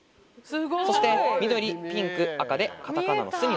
そして緑ピンク赤でカタカナの「ス」になります。